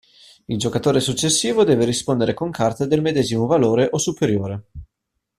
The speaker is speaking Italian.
Il giocatore successivo deve rispondere con carte del medesimo valore o superiore.